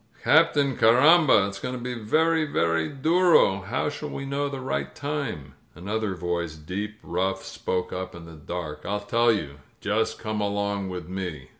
"Captain, carrambal It's going to be very, very durol How shall we know the right time?" Another voice, deep, rough, spoke up in the dark. "I'll tell you. Just come along with me."